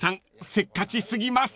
せっかち過ぎます］